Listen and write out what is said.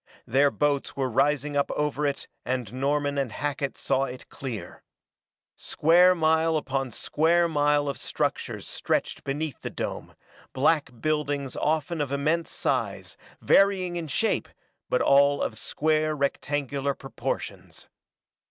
Their boats were rising up over it and Norman and Hackett saw it clear. Square mile upon square mile of structures stretched beneath the dome, black buildings often of immense size, varying in shape, but all of square, rectangular proportions.